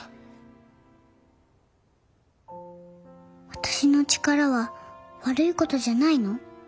私の力は悪いことじゃないの？